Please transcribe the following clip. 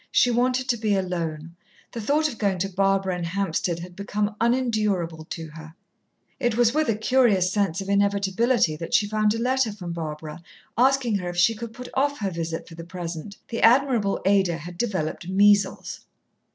She wanted to be alone. The thought of going to Barbara in Hampstead had become unendurable to her. It was with a curious sense of inevitability that she found a letter from Barbara asking her if she could put off her visit for the present. The admirable Ada had developed measles.